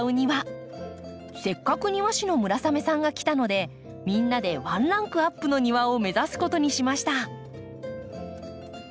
せっかく庭師の村雨さんが来たのでみんなでワンランクアップの庭を目指すことにしました。